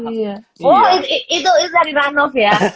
itu itu dari ranoff ya